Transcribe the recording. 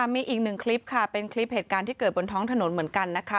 มีอีกหนึ่งคลิปค่ะเป็นคลิปเหตุการณ์ที่เกิดบนท้องถนนเหมือนกันนะคะ